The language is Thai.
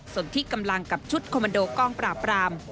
ส่วนที่กำลังกับชุดคอมมันโดกองปราบราม